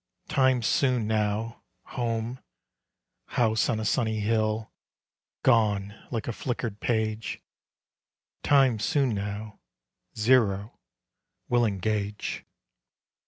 Time soon now ... home ... house on a sunny hill.... Gone like a flickered page: Time soon now ... zero ... will engage....